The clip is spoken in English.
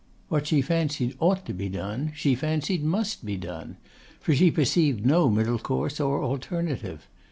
What she fancied ought to be done, she fancied must be done; for she perceived no middle course or alternative.